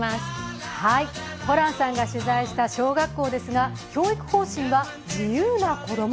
ホランさんが取材した小学校ですが、教育方針は、自由な子供。